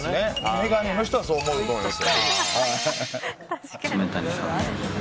眼鏡の人はそう思うと思います。